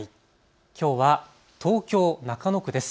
きょうは東京中野区です。